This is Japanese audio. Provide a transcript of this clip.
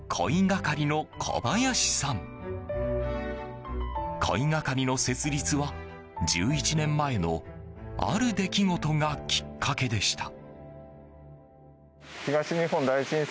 鯉係の設立は、１１年前のある出来事がきっかけでした。